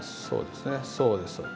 そうですそうです。